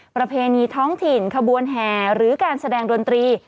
ประเพณีท้องถิ่นขบวนแห่หรือการแสดงดนตรี